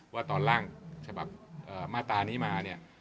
ว่าตอนล่างฉบับมาตรานี้มาเนี่ย